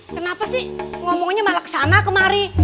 kenapa sih ngomongnya malah ke sana kemari